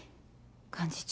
幹事長。